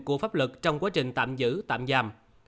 của pháp luật trong quá trình tạm giữ tạm giam